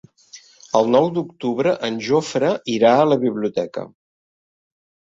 El nou d'octubre en Jofre irà a la biblioteca.